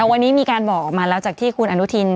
วันนี้มีการบอกออกมาแล้วจากที่คุณอนุทิน